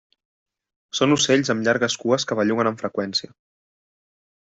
Són ocells amb llargues cues que belluguen amb freqüència.